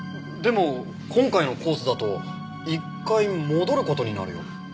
でも今回のコースだと１回戻る事になるよ。